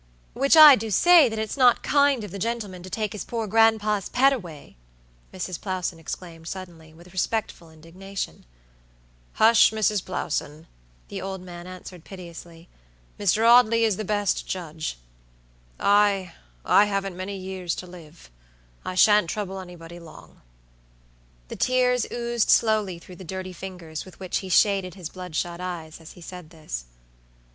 "Which I do say that it's not kind of the gentleman to take his poor grandpa's pet away," Mrs. Plowson exclaimed, suddenly, with respectful indignation. "Hush, Mrs. Plowson," the old man answered, piteously; "Mr. Audley is the best judge. II haven't many years to live; I sha'n't trouble anybody long." The tears oozed slowly through the dirty fingers with which he shaded his blood shot eyes, as he said this.